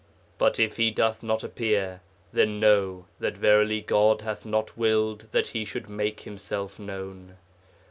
But if he doth not appear, then know that verily God hath not willed that he should make himself known.